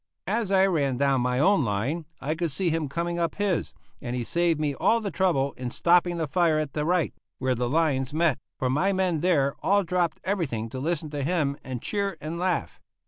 As I ran down my own line, I could see him coming up his, and he saved me all trouble in stopping the fire at the right, where the lines met, for my men there all dropped everything to listen to him and cheer and laugh.